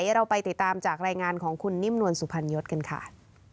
เดี๋ยวเราไปติดตามจากรายงานของคุณนิมนวลสุภัณฑ์ยศกันค่ะ